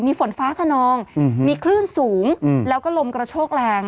มีฝนฟ้าขนองมีคลื่นสูงแล้วก็ลมกระโชกแรง